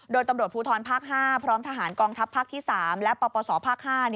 โดยตำรวจภูทรภาค๕พร้อมทหารกองทัพภาคที่๓และปปศภาค๕